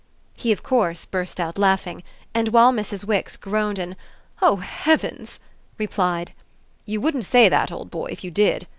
He of course burst out laughing and, while Mrs. Wix groaned an "Oh heavens!" replied: "You wouldn't say that, old boy, if you did!